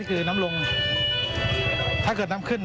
คลุกคลิก